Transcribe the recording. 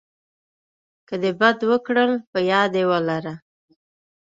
که د بد وکړل په یاد یې ولره .